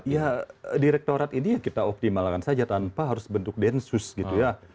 ya direktorat ini ya kita optimalkan saja tanpa harus bentuk densus gitu ya